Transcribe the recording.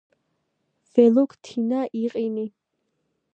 ველუქინ თინა იჸინი